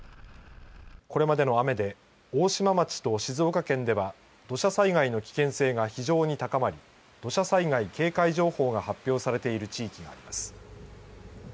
これまでの雨で大島町と静岡県では土砂災害の危険性が非常に高まり土砂災害警戒情報が発表されている地域があります。